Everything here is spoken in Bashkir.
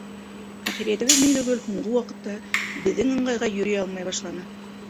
Әхирәтебеҙ Миңлегөл һуңғы ваҡытта беҙҙең ыңғайға йөрөй алмай башланы.